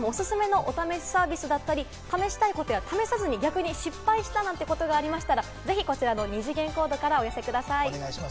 視聴者の皆さんもおすすめのお試しサービスだったり、試したいことや、試さずに失敗したことなどがありましたら、ぜひ二次元コードからお寄せください。